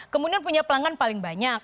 kemudian punya pelanggan paling banyak